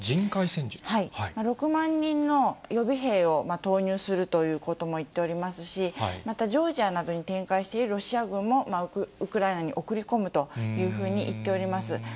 ６万人の予備兵を投入するということも言っておりますし、またジョージアなどに展開しているロシア軍も、ウクライナに送り込むというふうに言っております。